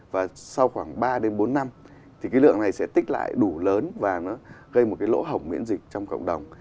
và sau khoảng ba đến bốn năm thì cái lượng này sẽ tích lại đủ lớn và nó gây một cái lỗ hổng miễn dịch trong cộng đồng